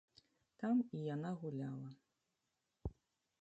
Там і яна гуляла.